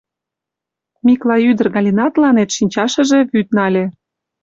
Миклай ӱдыр Галинатланет шинчашыже вӱд нале.